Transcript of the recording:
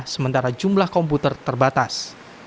sementara jumlah komputer terbatas